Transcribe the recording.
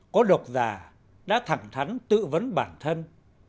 có độc giả đã thẳng thắn tự vấn bản thân